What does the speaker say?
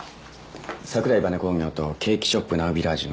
桜井バネ工業とケーキショップ・ナウビラージュの共通点です。